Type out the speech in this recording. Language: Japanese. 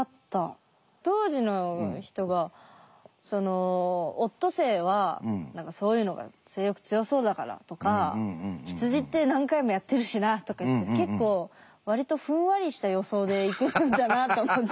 当時の人がオットセイは何かそういうのが性欲強そうだからとか羊って何回もやってるしなとかいって結構わりとふんわりした予想でいくんだなと思って。